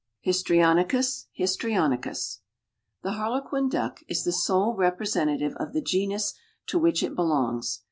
(Histrionicus histrionicus.) The Harlequin Duck is the sole representative of the genus to which it belongs.